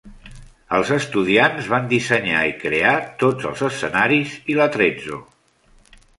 Els estudiants van dissenyar i crear tots els escenaris i l'atrezzo.